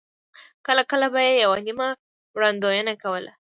کله کله به یې یوه نیمه وړاندوینه کوله.